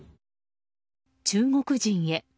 「中国人へ。